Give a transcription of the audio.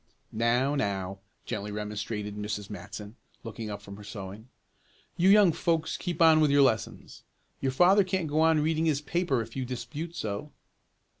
"Now, now," gently remonstrated Mrs. Matson, looking up from her sewing, "you young folks keep on with your lessons. Your father can't go on reading his paper if you dispute so."